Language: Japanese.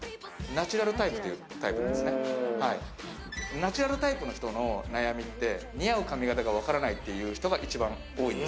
ナチュラルタイプの人の悩みって似合う髪型が分からないって人が一番多いんです。